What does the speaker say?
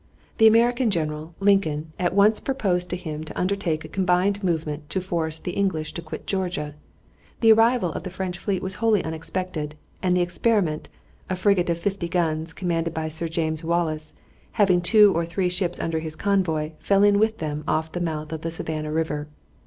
The American general, Lincoln, at once proposed to him to undertake a combined movement to force the English to quit Georgia. The arrival of the French fleet was wholly unexpected, and the Experiment, a frigate of fifty guns, commanded by Sir James Wallace, having two or three ships under his convoy, fell in with them off the mouth of the Savannah River.